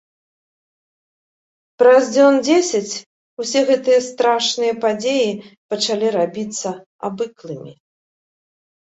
Праз дзён дзесяць усе гэтыя страшныя падзеі пачалі рабіцца абыклымі.